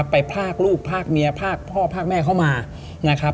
ไปพากลูกพากเมียพากพ่อพากแม่เข้ามา